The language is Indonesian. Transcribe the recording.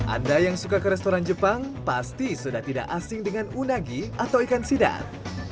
anda yang suka ke restoran jepang pasti sudah tidak asing dengan unagi atau ikan sidat